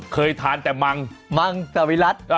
เคยทานแต่มังมังสวิรัติ